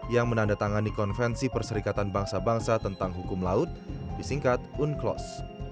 yang menandatangani konvensi perserikatan bangsa bangsa tentang hukum laut disingkat unclos